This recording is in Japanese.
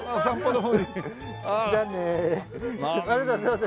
ありがとうございます。